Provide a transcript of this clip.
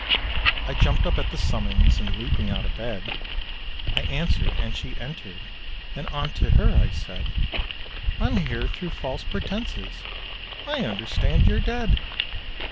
I jumped up at the summons, and leaping out of bed, I answered, and she entered, and unto her I said, "I'm here thro' false pretences; I understand you're dead!"